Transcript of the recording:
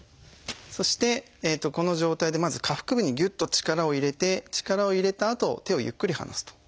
そしてこの状態でまず下腹部にぎゅっと力を入れて力を入れたあと手をゆっくり離すと。